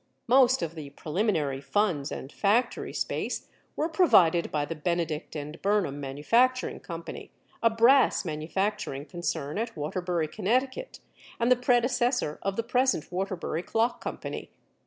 Most of the preliminary funds and factory space were provided by the Benedict & Burnham Manufacturing Company, a brass manufacturing concern at Waterbury, Connecticut, and the predecessor of the present Waterbury Clock Company.